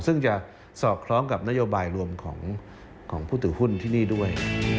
ซึ่งจะสอดคล้องกับนโยบายรวมของผู้ถือหุ้นที่นี่ด้วย